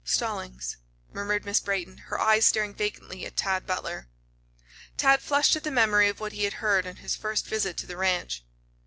"Stallings," murmured Miss Brayton, her eyes staring vacantly at Tad Butler. Tad flushed at the memory of what he had heard on his first visit to the ranch.